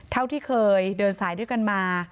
เท่าที่เคยเดินสายด้วยกันมา